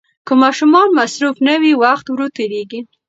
که ماشومان مصروف نه وي، وخت ورو تېریږي.